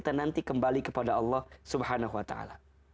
kita nanti kembali kepada allah subhanahu wa ta'ala